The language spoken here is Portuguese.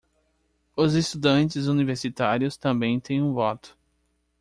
Os estudantes universitários também têm um voto